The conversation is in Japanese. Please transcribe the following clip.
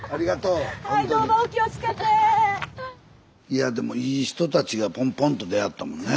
いやでもいい人たちがポンポンと出会ったもんね。